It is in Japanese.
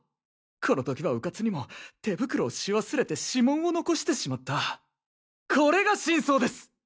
この時はうかつにも手袋をし忘れて指紋を残してしまったこれが真相です！